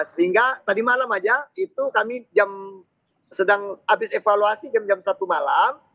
sehingga tadi malam aja itu kami jam sedang habis evaluasi jam satu malam